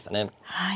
はい。